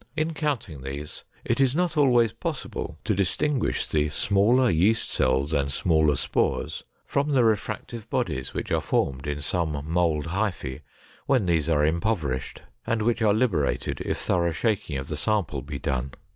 In counting these, it is not always possible to distinguish the smaller yeast cells and smaller spores from the refractive bodies which are formed in some mold hyphae when these are impoverished, and which are liberated if thorough shaking of the sample be done.